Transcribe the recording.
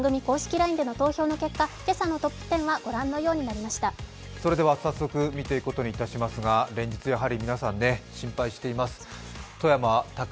ＬＩＮＥでの投票の結果、今朝のトップ１０はご覧のように早速見ていきますが、連日、皆さん心配しています。